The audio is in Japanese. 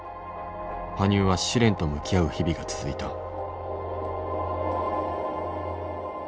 羽生は試練と向き合う日々が続いた。